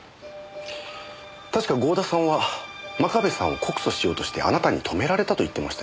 確か郷田さんは真壁さんを告訴しようとしてあなたに止められたと言ってましたよね。